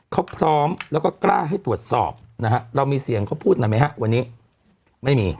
เขาพร้อมแล้วก็กล้าให้ตรวจสอบนะฮะเรามีเสียงเขาพูดหน่อยไหมฮะวันนี้ไม่มี